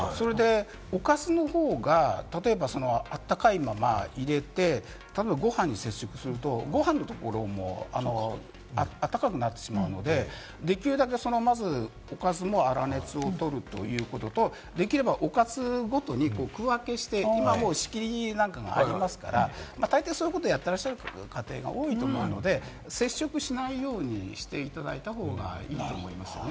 おかずの方が例えば温かいまま入れて、ご飯に接触すると、ご飯のところも温かくなってしまうので、できるだけ、まず、おかずも粗熱をとるということと、できればおかずごとに区分けして、今、仕切りなんかがありますから、大抵そういうことをやってらっしゃる家庭が多いと思うので、接触しないようにしていただいた方がいいと思いますよね。